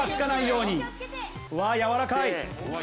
うわあやわらかい。